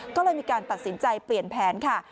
ก็เลยมีการตัดสินใจเปลี่ยนแผนค่ะ